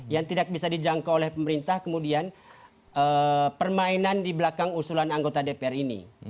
yang tidak bisa dijangkau oleh pemerintah kemudian permainan di belakang usulan anggota dpr ini